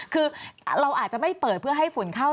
คือเราอาจจะไม่เปิดเพื่อให้ฝุ่นเข้า